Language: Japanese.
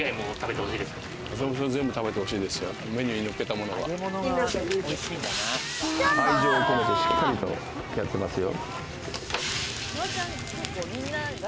全部食べて欲しいですよ、メニューにのっけたものは愛情を込めて、しっかりとやってますよ。